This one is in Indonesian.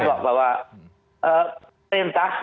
saya paham bahwa perintah